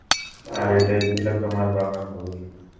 আর এটাই ছিল তোমার বাবার ভুল।